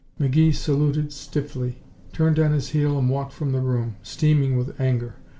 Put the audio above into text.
McGee saluted stiffly, turned on his heel and walked from the room, steaming with anger.